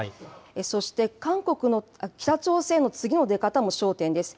そして北朝鮮の次の出方も焦点です。